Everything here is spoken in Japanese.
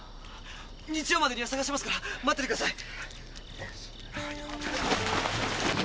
日曜までには捜しますから待っててください！